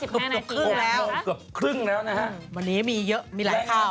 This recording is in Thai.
เกือบครึ่งแล้วนะฮะวันนี้มีเยอะมีหลายข้าว